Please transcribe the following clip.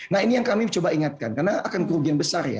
nah ini yang kami coba ingatkan karena akan kerugian besar ya